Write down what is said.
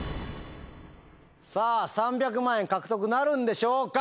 さぁ３００万円獲得なるんでしょうか？